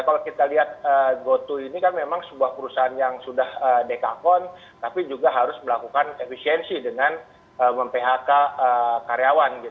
kalau kita lihat goto ini kan memang sebuah perusahaan yang sudah dekakon tapi juga harus melakukan efisiensi dengan mem phk karyawan